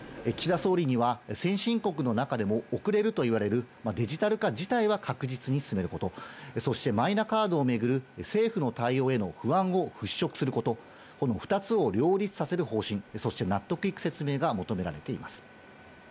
総理には先進国の中でも遅れると言われるデジタル化自体は確実に進めること、そしてマイナカードを巡る政府の対応への不安を払拭すること、この２つを両立させる方針、そして納得いく説明が求められています。